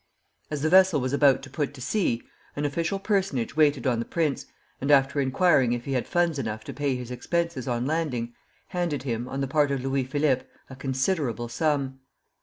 As the vessel was about to put to sea, an official personage waited on the prince, and after inquiring if he had funds enough to pay his expenses on landing, handed him, on the the part of Louis Philippe, a considerable sum.